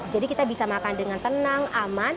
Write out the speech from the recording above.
jadi kita bisa makan dengan tenang aman